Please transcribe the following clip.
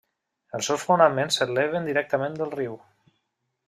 Els seus fonaments s'eleven directament del riu.